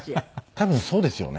多分そうですよね。